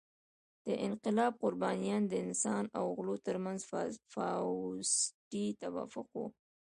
د انقلاب قربانیان د انسان او غلو تر منځ فاوستي توافق وو.